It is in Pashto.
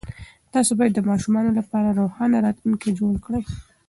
تاسې باید د ماشومانو لپاره روښانه راتلونکی جوړ کړئ.